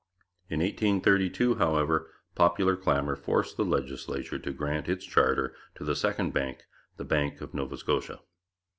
In 1832, however, popular clamour forced the legislature to grant its charter to the second bank, the Bank of Nova Scotia.